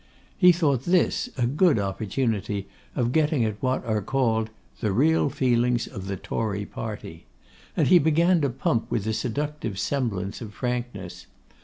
He thought this a good opportunity of getting at what are called 'the real feelings of the Tory party;' and he began to pump with a seductive semblance of frankness.